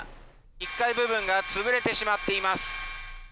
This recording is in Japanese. １階部分が潰れてしまっています。